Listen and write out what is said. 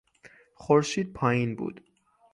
خورشید پایین بود.